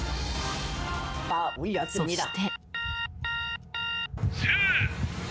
そして。